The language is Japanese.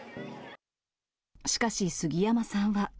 しかし杉山さんは。